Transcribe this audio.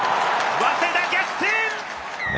早稲田、逆転！